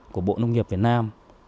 của bộ nông nghiệp việt nam